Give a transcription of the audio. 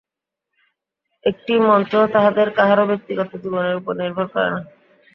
একটি মন্ত্রও তাঁহাদের কাহারও ব্যক্তিগত জীবনের উপর নির্ভর করে না।